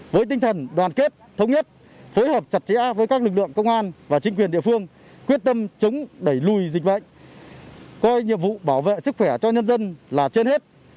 với tinh thần đoàn kết thống nhất phối hợp chặt chẽ với các lực lượng công an và chính quyền địa phương quyết tâm chống đẩy lùi dịch bệnh coi nhiệm vụ bảo vệ sức khỏe cho nhân dân là trên hết